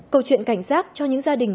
câu chuyện cảnh giác cho những gia đình